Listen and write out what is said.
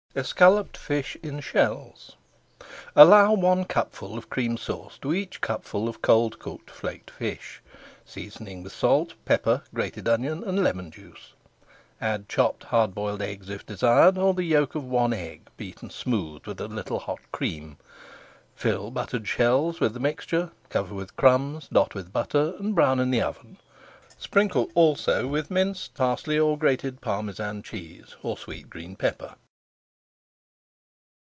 ESCALLOPED FISH IN SHELLS Allow one cupful of Cream Sauce to each cupful of cold cooked flaked fish, seasoning with salt, pepper, grated onion, and lemon juice. Add chopped hard boiled eggs if desired, or the yolk of one egg beaten smooth with a little hot cream. Fill buttered shells with the mixture, cover with crumbs, dot with butter, and brown in the oven. Sprinkle also with minced parsley or grated Parmesan cheese, or sweet green pepper.